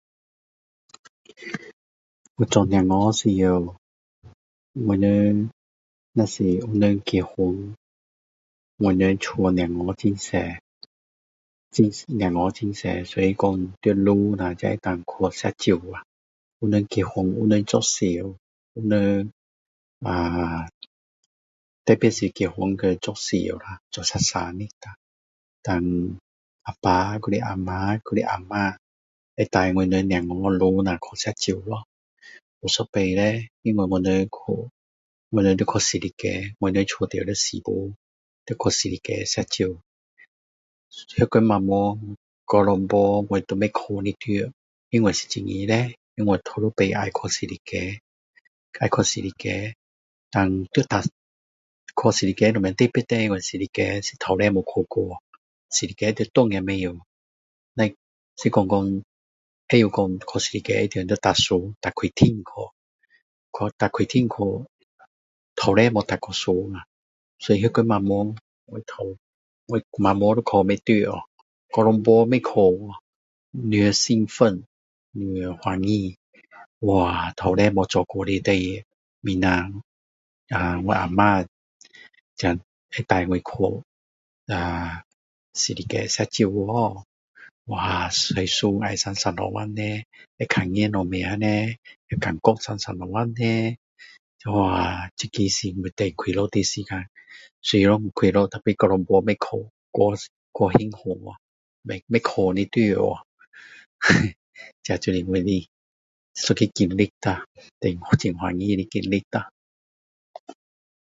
我做小孩时我们若是有人结婚我们家小孩很小很孩子很小所以说要轮了才能够去吃酒啊有人结婚有人做寿有人呃啊特别是结婚和做寿时做生生日啊然后阿爸还是阿妈还是阿嫲会带我们小孩轮了去吃酒咯有一次叻因为我们去我们要去泗里街我们家住在诗巫要去泗里街吃酒那天晚上一整晚我都睡不着因为是做么呢我第一次要去泗里街要去泗里街然后要搭去泗里街有什么特别呢去泗里街是从来没去过泗里街在哪也不知道只是是说说会知道说去泗里街一定要搭船搭快艇去搭快艇去从来没搭过船啊所以那天晚上我从我晚上睡不着一整晚不会睡多兴奋多欢喜哇从来没做过的事明天啊我阿嫲才带我去啊泗里街吃酒喔哇要坐船是怎样的呢会看见什么呢你感觉怎样的叻哇这个是我最快乐的时间虽然快乐但整晚不会睡太太幸福去睡不着去这就是我的一个经历咯太欢喜的经历咯